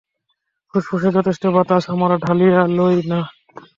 ফুসফুসে যথেষ্ট বাতাস আমরা টানিয়া লই না।